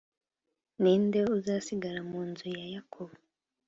Ni nde uzasigara mu nzu ya Yakobo